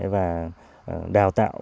và đào tạo